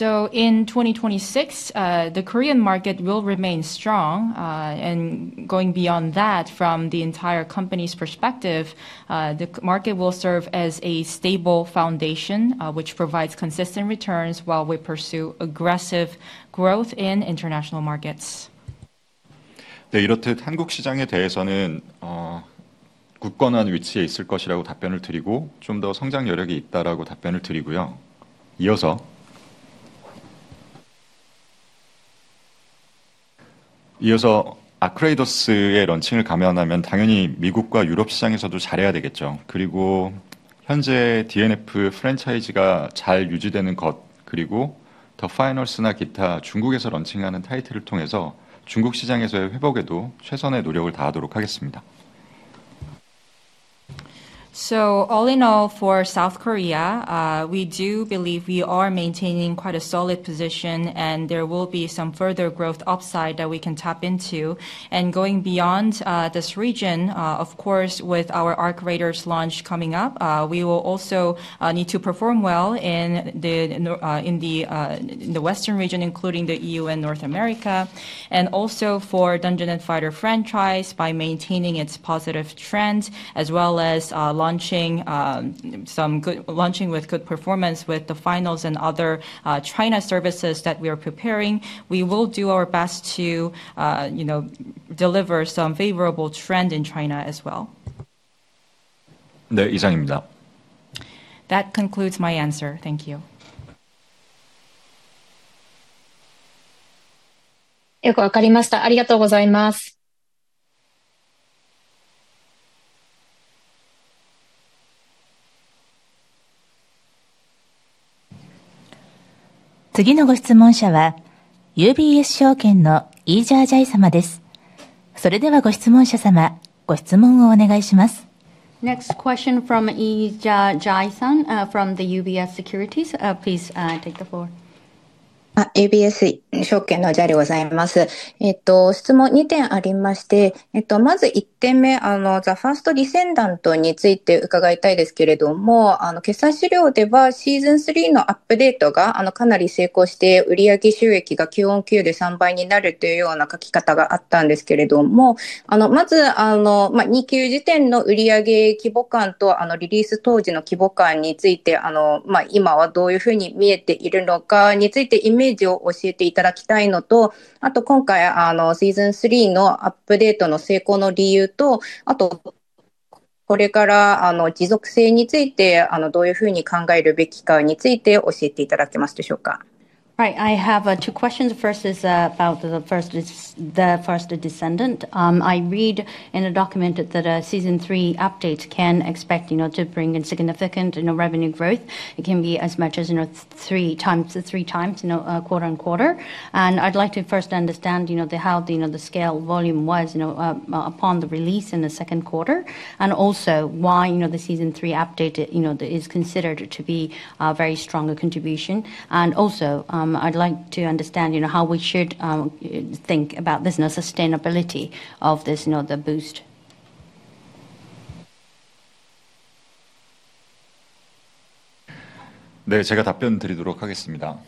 In 2026, the Korean market will remain strong, and going beyond that, from the entire company's perspective, the market will serve as a stable foundation which provides consistent returns while we pursue aggressive growth in international markets. 네, 이렇듯 한국 시장에 대해서는 굳건한 위치에 있을 것이라고 답변을 드리고, 좀더 성장 여력이 있다라고 답변을 드리고요. 이어서, 이어서 ARC Raiders의 런칭을 감안하면 당연히 미국과 유럽 시장에서도 잘해야 되겠죠. 그리고 현재 Dungeon & Fighter 프랜차이즈가 잘 유지되는 것, 그리고 The Finals나 기타 중국에서 런칭하는 타이틀을 통해서 중국 시장에서의 회복에도 최선의 노력을 다하도록 하겠습니다. All in all for South Korea, we do believe we are maintaining quite a solid position, and there will be some further growth upside that we can tap into. Going beyond this region, of course, with our ARC Raiders launch coming up, we will also need to perform well in the Western region, including the EU and North America. Also for Dungeon & Fighter franchise, by maintaining its positive trends as well as launching some good performance with The Finals and other China services that we are preparing, we will do our best to deliver some favorable trend in China as well. 네, 이상입니다. That concludes my answer. Thank you. よくわかりました。ありがとうございます。次のご質問者はUBS証券のイー・ジャー・ジャイ様です。それではご質問者様、ご質問をお願いします。Next question from Ie-Ja Jae-san from UBS Securities. Please take the floor. Hi, I have two questions. First is about The First Descendant. I read in the document that a Season 3 update can expect, you know, to bring in significant, you know, revenue growth. It can be as much as, you know, three times, three times, you know, quarter-on-quarter. And I'd like to first understand, you know, how the, you know, the scale volume was, you know, upon the release in the second quarter, and also why, you know, the Season 3 update, you know, is considered to be a very strong contribution. And also, I'd like to understand, you know, how we should think about this, you know, sustainability of this, you know, the boost. 네, 제가 답변드리도록 하겠습니다.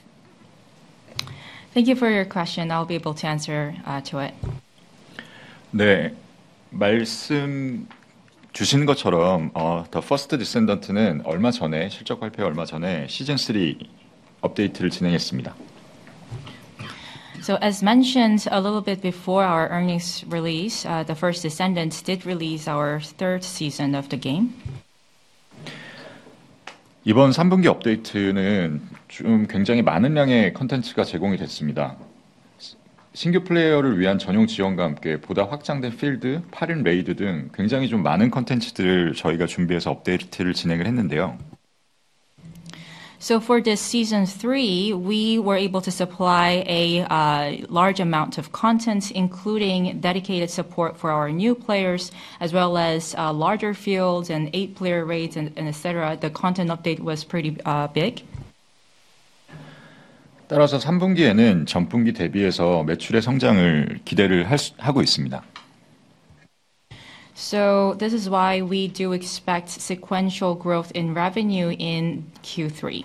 Thank you for your question. I'll be able to answer to it. 네, 말씀 주신 것처럼 더 퍼스트 디센던트는 얼마 전에 실적 발표 얼마 전에 시즌 3 업데이트를 진행했습니다. So as mentioned a little bit before our earnings release, The First Descendant did release our third season of the game. 이번 3분기 업데이트는 좀 굉장히 많은 양의 콘텐츠가 제공이 됐습니다. 신규 플레이어를 위한 전용 지원과 함께 보다 확장된 필드, 8인 레이드 등 굉장히 좀 많은 콘텐츠들을 저희가 준비해서 업데이트를 진행을 했는데요. So for this season 3, we were able to supply a large amount of content, including dedicated support for our new players, as well as larger fields and eight player raids, and etc. The content update was pretty big. 따라서 3분기에는 전분기 대비해서 매출의 성장을 기대를 하고 있습니다. So this is why we do expect sequential growth in revenue in Q3.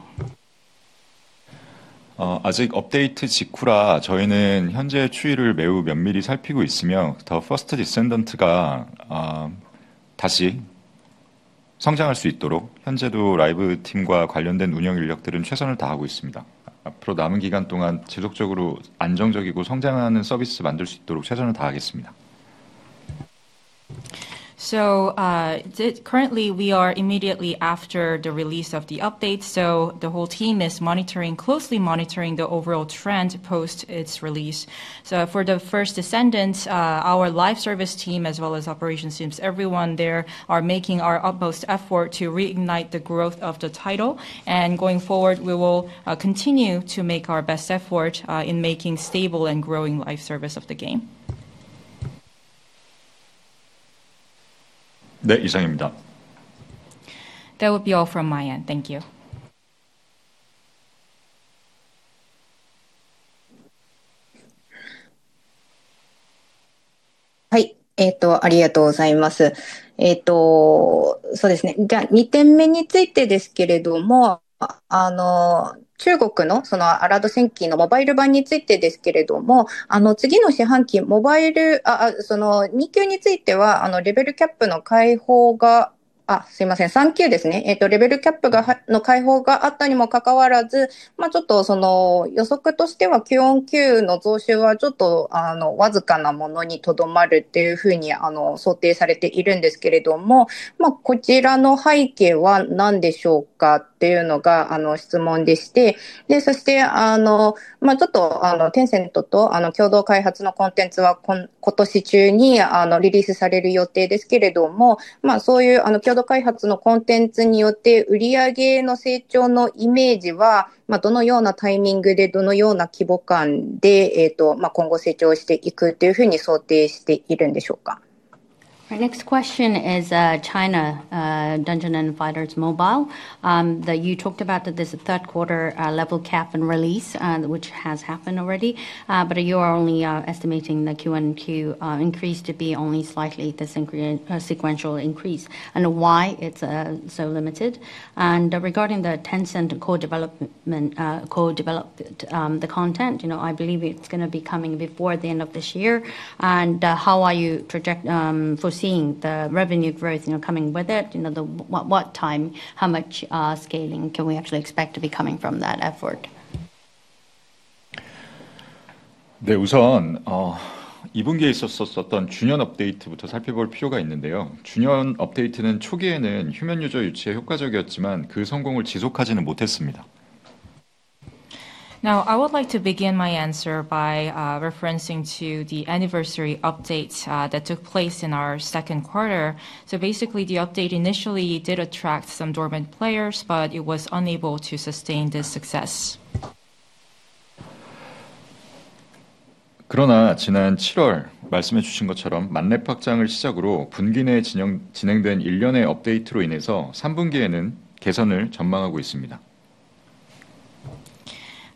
아직 업데이트 직후라 저희는 현재의 추이를 매우 면밀히 살피고 있으며, 더 퍼스트 디센던트가 다시 성장할 수 있도록 현재도 라이브 팀과 관련된 운영 인력들은 최선을 다하고 있습니다. 앞으로 남은 기간 동안 지속적으로 안정적이고 성장하는 서비스 만들 수 있도록 최선을 다하겠습니다. Currently we are immediately after the release of the update, so the whole team is monitoring, closely monitoring the overall trend post its release. For The First Descendant, our live service team as well as operations teams, everyone there are making our utmost effort to reignite the growth of the title, and going forward we will continue to make our best effort in making stable and growing live service of the game. 네, 이상입니다. That will be all from my end. Thank you. Next question is China, Dungeon & Fighter's Mobile. You talked about that there's a third quarter level cap and release, which has happened already, but you are only estimating the QoQ increase to be only slightly the sequential increase and why it's so limited. Regarding the Tencent core development, core developed the content, you know, I believe it's going to be coming before the end of this year. How are you foreseeing the revenue growth, you know, coming with it, you know, what time, how much scaling can we actually expect to be coming from that effort? 네, 우선 2분기에 있었던 주년 업데이트부터 살펴볼 필요가 있는데요. 주년 업데이트는 초기에는 휴면 유저 유치에 효과적이었지만 그 성공을 지속하지는 못했습니다. Now I would like to begin my answer by referencing to the anniversary update that took place in our second quarter. Basically the update initially did attract some dormant players, but it was unable to sustain this success.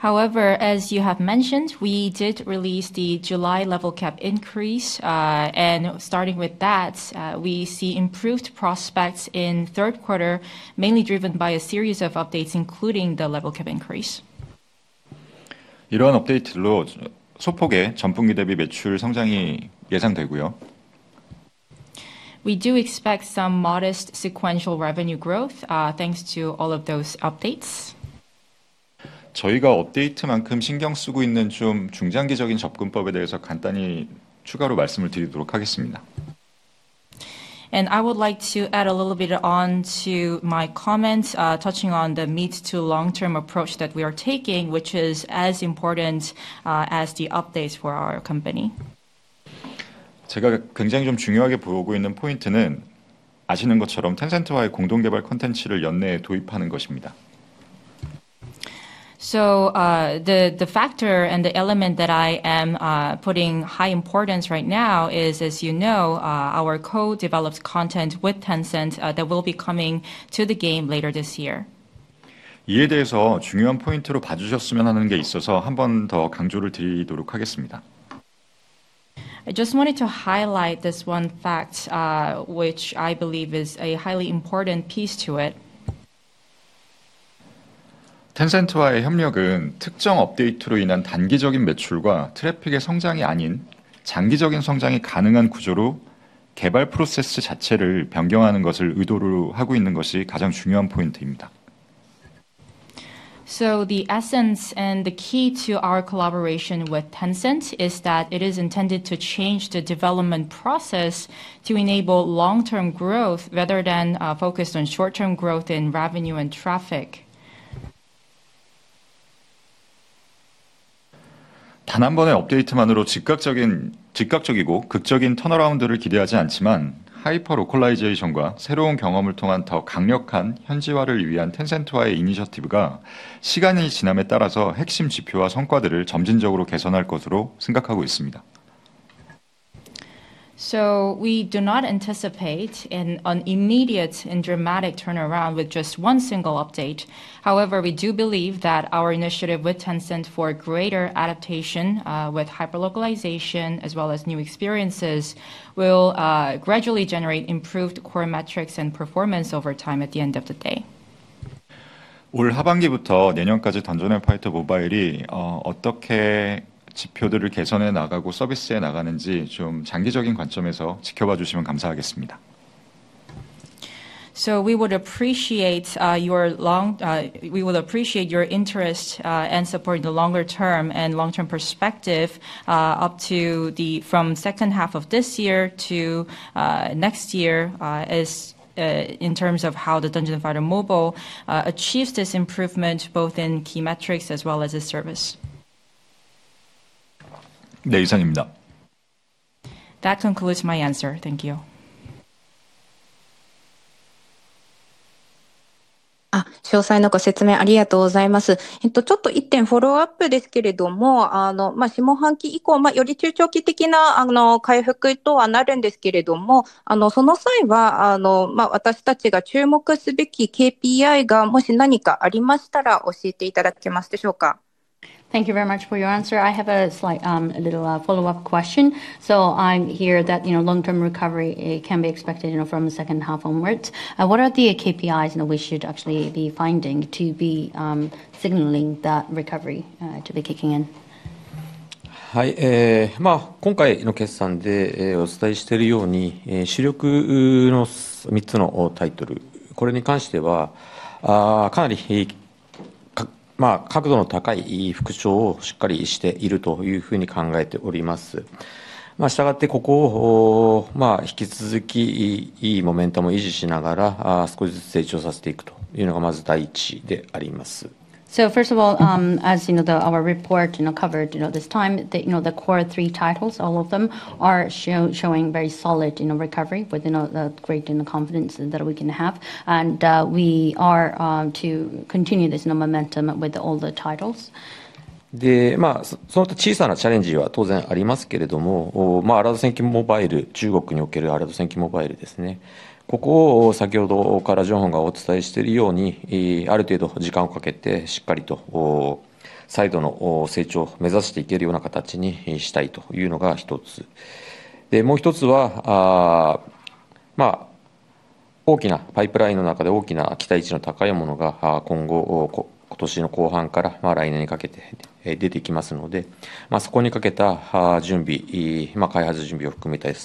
However, as you have mentioned, we did release the July level cap increase, and starting with that, we see improved prospects in third quarter, mainly driven by a series of updates, including the level cap increase. We do expect some modest sequential revenue growth thanks to all of those updates. I would like to add a little bit on to my comments, touching on the mid to long-term approach that we are taking, which is as important as the updates for our company. One point that I am watching very closely, as you know, is the introduction of co-developed content with Tencent within this year. The factor and the element that I am putting high importance right now is, as you know, our co-developed content with Tencent that will be coming to the game later this year. 이에 대해서 중요한 포인트로 봐주셨으면 하는 게 있어서 한번더 강조를 드리도록 하겠습니다. I just wanted to highlight this one fact, which I believe is a highly important piece to it. 텐센트와의 협력은 특정 업데이트로 인한 단기적인 매출과 트래픽의 성장이 아닌 장기적인 성장이 가능한 구조로 개발 프로세스 자체를 변경하는 것을 의도로 하고 있는 것이 가장 중요한 포인트입니다. The essence and the key to our collaboration with Tencent is that it is intended to change the development process to enable long-term growth rather than focus on short-term growth in revenue and traffic. 단한 번의 업데이트만으로 즉각적이고 극적인 턴어라운드를 기대하지 않지만 하이퍼 로컬라이제이션과 새로운 경험을 통한 더 강력한 현지화를 위한 텐센트와의 이니셔티브가 시간이 지남에 따라서 핵심 지표와 성과들을 점진적으로 개선할 것으로 생각하고 있습니다. We do not anticipate an immediate and dramatic turnaround with just one single update. However, we do believe that our initiative with Tencent for greater adaptation with hyper localization as well as new experiences will gradually generate improved core metrics and performance over time at the end of the day. 올 하반기부터 내년까지 던전앤파이터 모바일이 어떻게 지표들을 개선해 나가고 서비스해 나가는지 좀 장기적인 관점에서 지켜봐 주시면 감사하겠습니다. We would appreciate your interest and support. The longer term and long-term perspective up to the second half of this year to next year is in terms of how the Dungeon & Fighter Mobile achieves this improvement both in key metrics as well as the service. 네, 이상입니다. That concludes my answer. Thank you. 詳細のご説明ありがとうございます。ちょっと1点フォローアップですけれども、下半期以降より中長期的な回復とはなるんですけれども、その際は私たちが注目すべきKPIがもし何かありましたら教えていただけますでしょうか。Thank you very much for your answer. I have a slight little follow-up question. I hear that long-term recovery can be expected from the second half onwards. What are the KPIs that we should actually be finding to be signaling that recovery to be kicking in? はい、今回の決算でお伝えしているように主力の3つのタイトル、これに関してはかなり角度の高い復調をしっかりしているという風に考えております。したがってここを引き続きいいモメンタムを維持しながら少しずつ成長させていくというのがまず第1であります。First of all, as you know, our report covered this time the core three titles,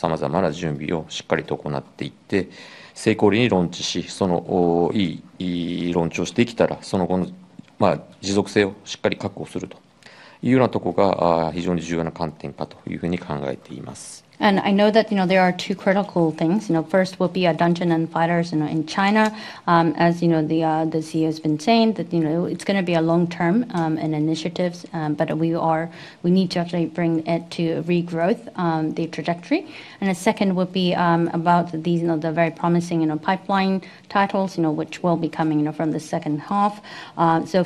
all of them are showing very solid recovery with great confidence that we can have, and we are to continue this momentum with all the titles. でその小さなチャレンジは当然ありますけれども、アラド戦機モバイル、中国におけるアラド戦機モバイルですね。ここを先ほどからジョンホンがお伝えしているように、ある程度時間をかけてしっかりと再度の成長を目指していけるような形にしたいというのが1つ。でもう1つは大きなパイプラインの中で大きな期待値の高いものが今後今年の後半から来年にかけて出てきますので、そこにかけた準備、開発準備を含めた様々な準備をしっかりと行っていって、成功裏にローンチし、そのいいローンチをしてきたらその後の持続性をしっかり確保するというようなとこが非常に重要な観点かという風に考えています。I know that there are two critical things. First will be Dungeon & Fighter in China. As you know, the CEO has been saying that it's going to be a long-term initiative, but we need to actually bring it to regrowth, the trajectory. The second will be about the very promising pipeline titles, which will be coming from the second half.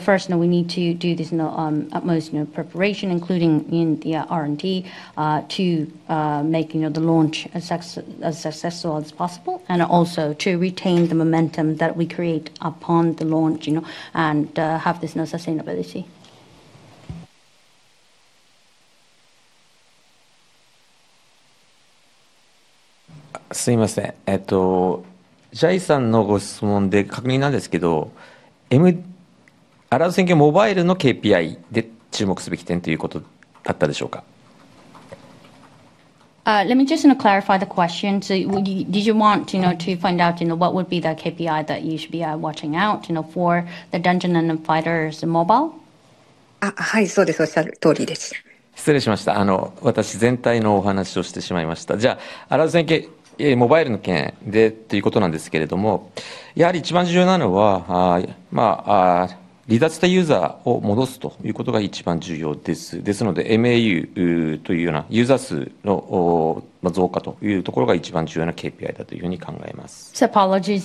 First we need to do this utmost preparation, including the R&D, to make the launch as successful as possible and also to retain the momentum that we create upon the launch and have this sustainability. す いません、ジャイさんのご質問で確認なんですけど、アラド戦機モバイルのKPIで注目すべき点ということだったでしょうか。Let me just clarify the question. Did you want to find out what would be the KPI that you should be watching out for the Dungeon & Fighter Mobile? はい、そうです。おっしゃる通りです。Apologies.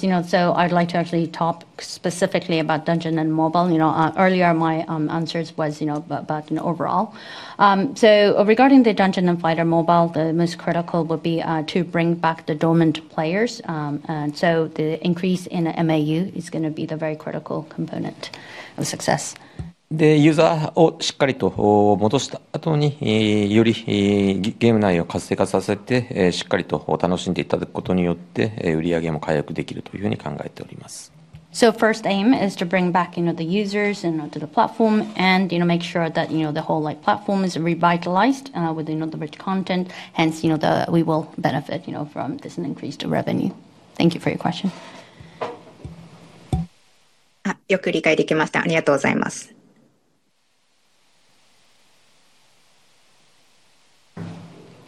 I'd like to actually talk specifically about Dungeon & Fighter Mobile. Earlier my answers was about overall. Regarding the Dungeon & Fighter Mobile, the most critical would be to bring back the dormant players. The increase in MAU is going to be the very critical component of success. でユーザーをしっかりと戻した後によりゲーム内を活性化させてしっかりと楽しんでいただくことによって売上も回復できるという風に考えております。So first aim is to bring back the users to the platform and make sure that the whole platform is revitalized with the rich content. Hence we will benefit from this increased revenue. Thank you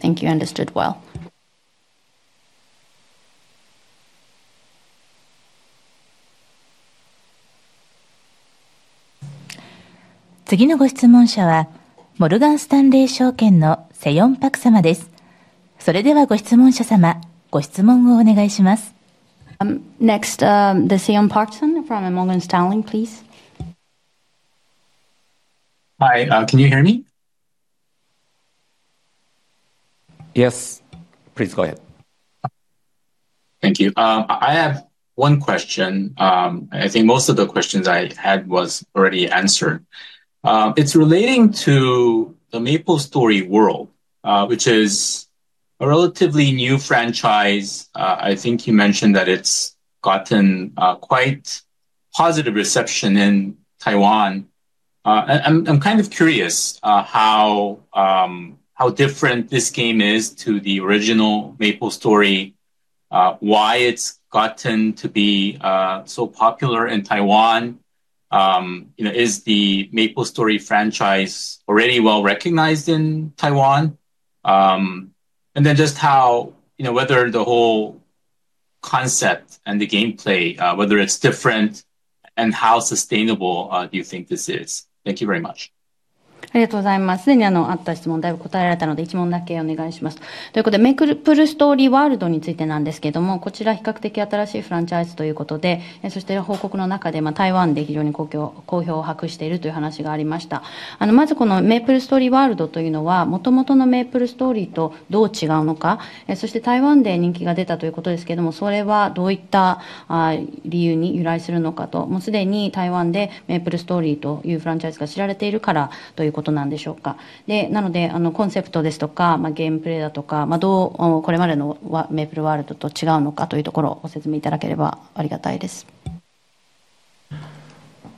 for your question. よく理解できました。ありがとうございます。Thank you. Understood well. 次のご質問者はモルガンスタンレー証券のセヨンパク様です。それではご質問者様、ご質問をお願いします。Next, Seyon Park from Morgan Stanley, please. Hi, can you hear me? Yes, please go ahead. Thank you. I have one question. I think most of the questions I had was already answered. It's relating to the MapleStory Worlds, which is a relatively new franchise. I think you mentioned that it's gotten quite positive reception in Taiwan. I'm kind of curious how different this game is to the original MapleStory, why it's gotten to be so popular in Taiwan. Is the MapleStory franchise already well recognized in Taiwan? And then just whether the whole concept and the gameplay, whether it's different and how sustainable do you think this is? Thank you very much.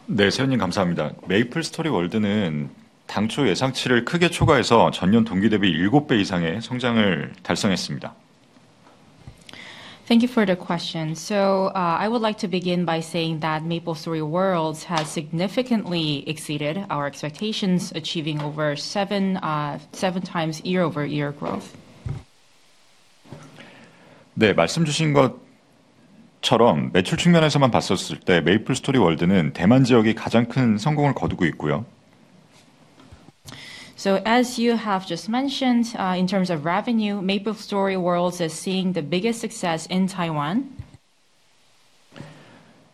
네, 세원님 감사합니다. 메이플스토리 월드는 당초 예상치를 크게 초과해서 전년 동기 대비 7배 이상의 성장을 달성했습니다. Thank you for the question. I would like to begin by saying that MapleStory Worlds has significantly exceeded our expectations, achieving over seven times year-over-year growth. 네, 말씀 주신 것처럼 매출 측면에서만 봤었을 때 메이플스토리 월드는 대만 지역이 가장 큰 성공을 거두고 있고요. As you have just mentioned, in terms of revenue, MapleStory Worlds is seeing the biggest success in Taiwan.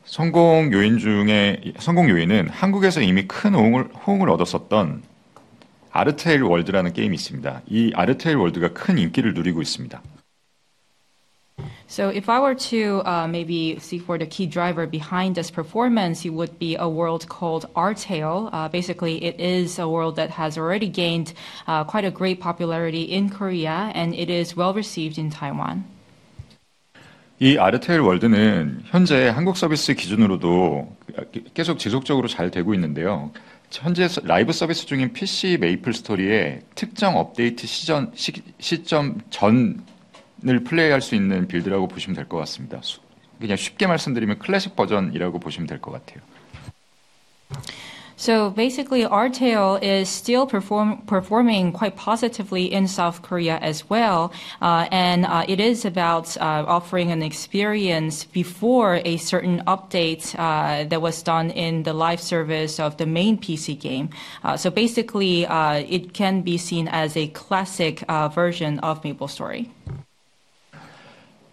성공 요인 중에 성공 요인은 한국에서 이미 큰 호응을 얻었었던 아르테일 월드라는 게임이 있습니다. 이 아르테일 월드가 큰 인기를 누리고 있습니다. If I were to maybe seek for the key driver behind this performance, it would be a world called Artale. Basically, it is a world that has already gained quite a great popularity in Korea, and it is well received in Taiwan. 이 아르테일 월드는 현재 한국 서비스 기준으로도 계속 지속적으로 잘 되고 있는데요. 현재 라이브 서비스 중인 PC 메이플스토리에 특정 업데이트 시점 전을 플레이할 수 있는 빌드라고 보시면 될것 같습니다. 그냥 쉽게 말씀드리면 클래식 버전이라고 보시면 될것 같아요. Basically, Artale is still performing quite positively in South Korea as well, and it is about offering an experience before a certain update that was done in the live service of the main PC game. Basically, it can be seen as a classic version of MapleStory.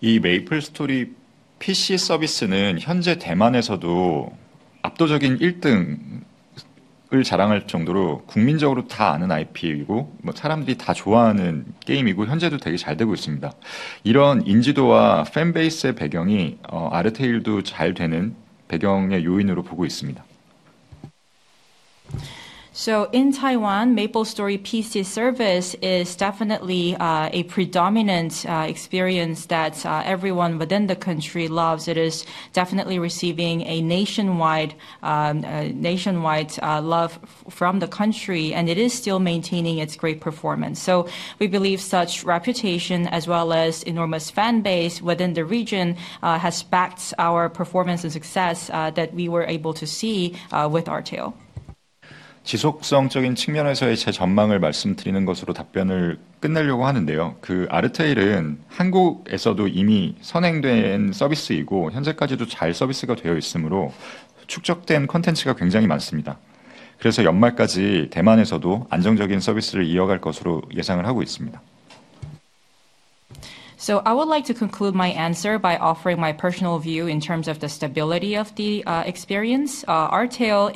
이 메이플스토리 PC 서비스는 현재 대만에서도 압도적인 1등을 자랑할 정도로 국민적으로 다 아는 IP이고 사람들이 다 좋아하는 게임이고 현재도 되게 잘 되고 있습니다. 이런 인지도와 팬베이스의 배경이 아르테일도 잘 되는 배경의 요인으로 보고 있습니다. In Taiwan, MapleStory PC service is definitely a predominant experience that everyone within the country loves. It is definitely receiving nationwide love from the country, and it is still maintaining its great performance. We believe such reputation as well as enormous fanbase within the region has backed our performance and success that we were able to see with Artale. 지속성적인 측면에서의 제 전망을 말씀드리는 것으로 답변을 Artale is already a service that started in South Korea first, and it is still being serviced well up to now, so there is a lot of accumulated content. We expect that a stable service will continue in Taiwan through the end of the year. I would like to conclude my answer by offering my personal view in terms of the stability of the experience. Artale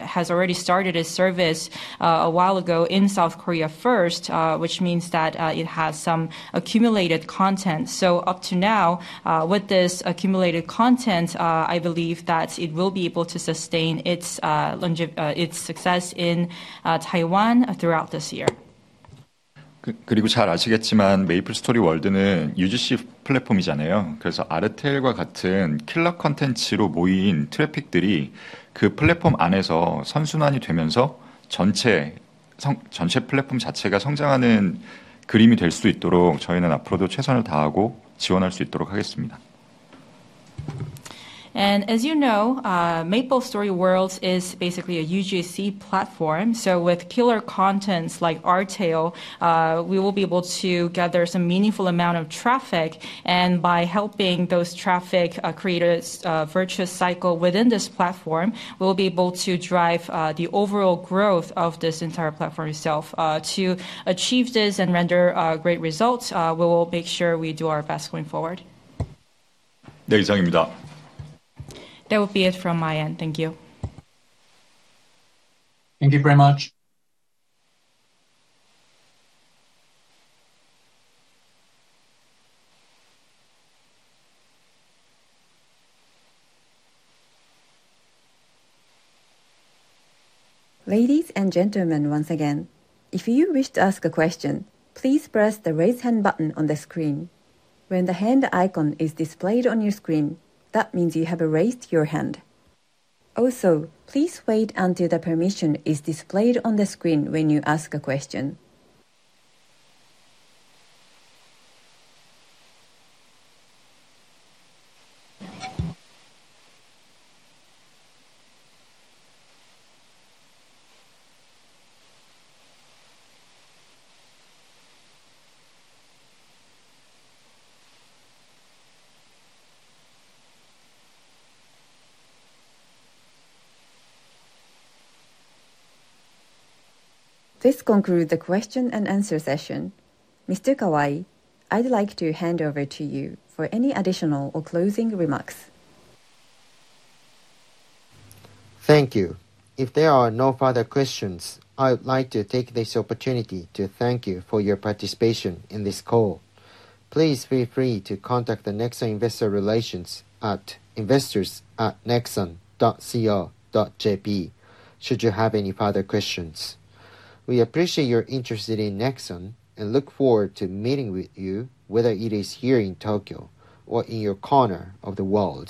has already started its service a while ago in South Korea first, which means that it has some accumulated content. So up to now, with this accumulated content, I believe that it will be able to sustain its success in Taiwan throughout this year. 그리고 잘 아시겠지만 메이플스토리 월드는 UGC 플랫폼이잖아요. 그래서 아르테일과 같은 킬러 콘텐츠로 모인 트래픽들이 그 플랫폼 안에서 선순환이 되면서 전체 플랫폼 자체가 성장하는 그림이 될수 있도록 저희는 앞으로도 최선을 다하고 지원할 수 있도록 하겠습니다. And as you know, MapleStory Worlds is basically a UGC platform. With killer contents like Artale, we will be able to gather some meaningful amount of traffic, and by helping those traffic creators virtuous cycle within this platform, we will be able to drive the overall growth of this entire platform itself. To achieve this and render great results, we will make sure we do our best going forward. 네, 이상입니다. That would be it from my end. Thank you. Thank you very much. Ladies and gentlemen, once again, if you wish to ask a question, please press the raise hand button on the screen. When the hand icon is displayed on your screen, that means you have raised your hand. Also, please wait until the permission is displayed on the screen when you ask a question. This concludes the question-and-answer session. Mr. Kawai, I'd like to hand over to you for any additional or closing remarks. Thank you. If there are no further questions, I would like to take this opportunity to thank you for your participation in this call. Please feel free to contact the Nexon Investor Relations at investors@nexon.co.jp should you have any further questions. We appreciate your interest in Nexon and look forward to meeting with you, whether it is here in Tokyo or in your corner of the world.